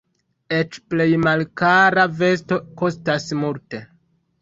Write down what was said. Eĉ plej malkara vesto kostas multe.